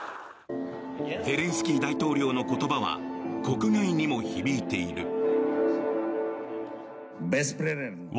ゼレンスキー大統領の言葉は国外にも響いている。